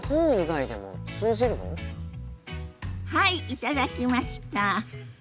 はい頂きました！